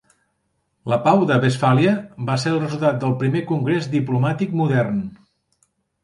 La Pau de Westfàlia va ser el resultat del primer congrés diplomàtic modern.